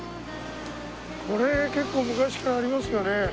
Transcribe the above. これ結構昔からありますよね。